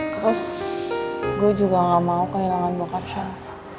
terus gue juga gak mau kehilangan bokap shelf